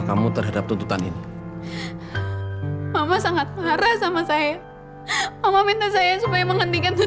kamu tidak boleh meninggal tika